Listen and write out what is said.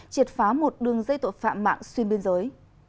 triệt phá một đường dây tội phạm mạng xuyên biên giới